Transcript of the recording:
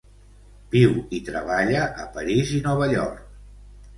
Viu i treballa a París i Nova York.